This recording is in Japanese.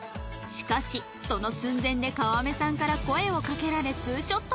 しかしその寸前で川目さんから声をかけられツーショットに